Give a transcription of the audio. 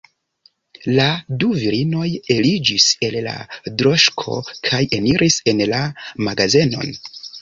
La du virinoj eliĝis el la droŝko kaj eniris en la magazenon.